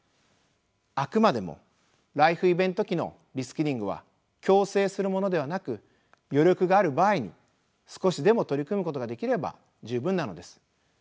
あくまでもライフイベント期のリスキリングは強制するものではなく余力がある場合に少しでも取り組むことができれば十分なのです。